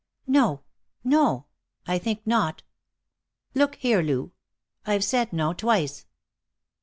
"No.... No, I think not.... Look here, Lou, I've said no twice."